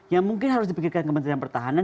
yang mungkin harus dipikirkan kementerian pertahanan